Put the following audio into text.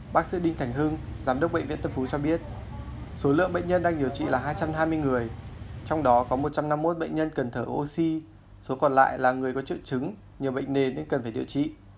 bác sĩ đinh thành hưng giám đốc bệnh viện tân phú cho biết số lượng bệnh nhân đang điều trị là hai trăm hai mươi người trong đó có một trăm năm mươi một bệnh nhân cần thở oxy số còn lại là người có triệu chứng nhiều bệnh nền nên cần phải điều trị